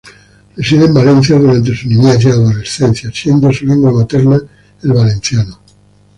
Reside en Valencia durante su niñez y adolescencia, siendo su lengua materna el valenciano.